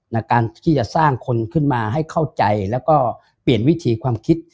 ในการที่จะสร้างคนขึ้นมาให้เข้าใจแล้วก็เปลี่ยนวิถีความคิด